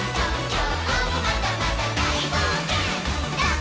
「きょうもまだまだだいぼうけん」「ダン」